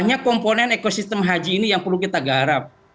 banyak komponen ekosistem haji ini yang perlu kita garap